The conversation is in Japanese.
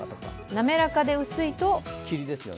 滑らかで薄いと、霧。